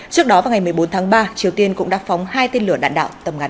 trước đó vào ngày một mươi bốn tháng ba triều tiên cũng đã phóng hai tên lửa đạn đạo tầm ngắn